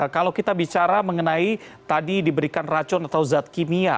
kalau kita bicara mengenai tadi diberikan racun atau zat kimia